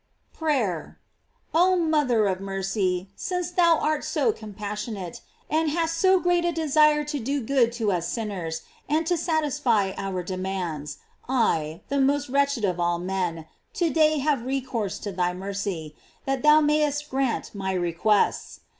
PEAYEE. Oh mother of mercy! since thou art so com passionate, and hast so great a desire to do good to us sinners, and to satisfy our demands, I, the most wretched of all men, to day have recourse to thy mercy, that thou mayest grant my re quests.